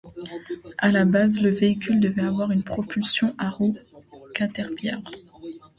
À la base, le véhicule devait avoir une propulsion à roues caterpillar.